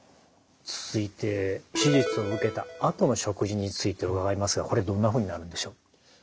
続いて手術を受けたあとの食事について伺いますがこれどんなふうになるんでしょう？